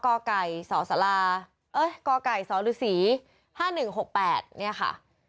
ก่อไก่สอสาราเอ๊ะก่อไก่สอหรือสี๕๑๖๘เนี่ยค่ะ